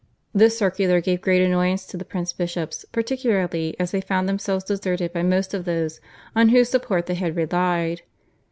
This circular gave great annoyance to the prince bishops, particularly as they found themselves deserted by most of those on whose support they had relied.